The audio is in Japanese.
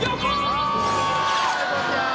あぁ横尾ちゃん。